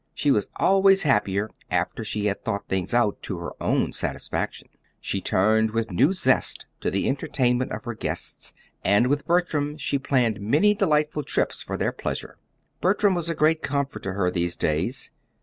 She was always happier after she had thought things out to her own satisfaction. She turned with new zest to the entertainment of her guests; and with Bertram she planned many delightful trips for their pleasure. Bertram was a great comfort to her these days.